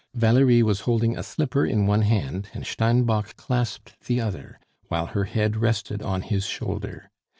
Valerie was holding a slipper in one hand, and Steinbock clasped the other, while her head rested on his shoulder.